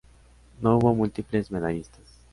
No hubo múltiples medallistas.